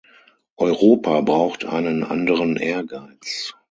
Europa braucht einen anderen Ehrgeiz.